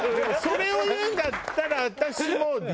それをいうんだったら。